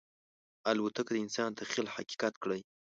الوتکه د انسان تخیل حقیقت کړی.